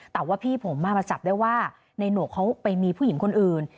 แต่ว่าพี่ผมมาจับได้ว่าในหนวกเขาไปมีผู้หญิงคนอื่น